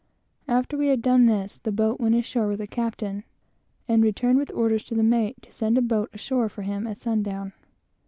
After we had done this, the boat went ashore with the captain, and returned with orders to the mate to send a boat ashore for him at sundown.